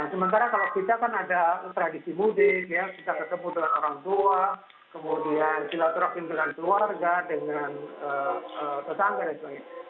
sementara kalau kita kan ada tradisi mudik ya kita ketemu dengan orang tua kemudian silaturahim dengan keluarga dengan tetangga dan sebagainya